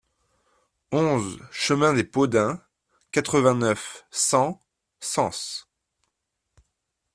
onze chemin des Peaux Daims, quatre-vingt-neuf, cent, Sens